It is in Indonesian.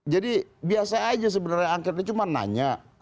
jadi biasa aja sebenarnya angkatnya cuma nanya